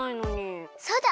そうだ！